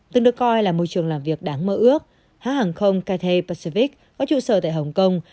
từng được coi là môi trường làm việc đáng mơ ước hãng hàng không caity pashivi có trụ sở tại hồng kông